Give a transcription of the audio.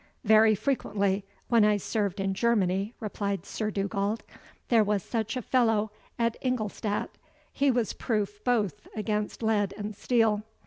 "Very frequently, when I served in Germany," replied Sir Dugald. "There was such a fellow at Ingolstadt; he was proof both against lead and steel.